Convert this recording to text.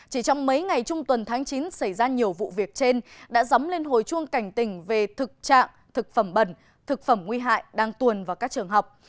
chỉ trong mấy ngày trung tuần tháng chín xảy ra nhiều vụ việc trên đã dóng lên hồi chuông cảnh tỉnh về thực trạng thực phẩm bẩn thực phẩm nguy hại đang tuồn vào các trường học